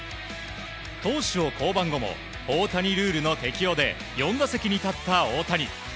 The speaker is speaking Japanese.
投手を降板後も大谷ルールの適用で４打席に立った大谷。